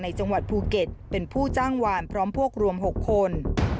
จังหวัดภูเก็ตเป็นผู้จ้างวานพร้อมพวกรวม๖คน